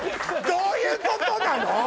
どういう事なの！？